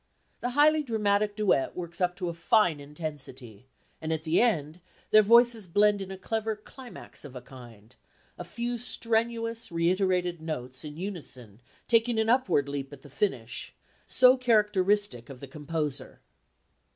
The highly dramatic duet works up to a fine intensity, and at the end their voices blend in a clever climax of a kind a few strenuous reiterated notes in unison taking an upward leap at the finish so characteristic of the composer.